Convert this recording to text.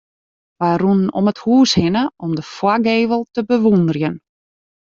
Wy rûnen om it hûs hinne om de foargevel te bewûnderjen.